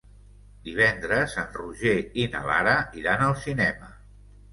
Divendres en Roger i na Lara iran al cinema.